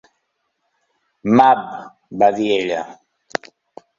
Mab, va dir ella.